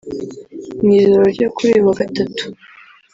Mu ijoro ryo kuri uyu wa Gatatu